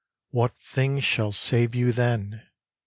what thing shall save You then?